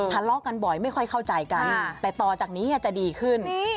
ทะเลาะกันบ่อยไม่ค่อยเข้าใจกันแต่ต่อจากนี้จะดีขึ้น